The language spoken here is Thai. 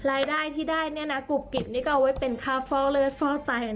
รายได้ที่ได้กลุ่มกลิ่นนี้ก็เอาไว้เป็นค่าฟอกเลือดฟอกไต